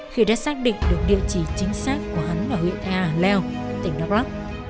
khi đã xác định được địa chỉ chính xác của hắn ở huyện hà lèo tỉnh đắk lắk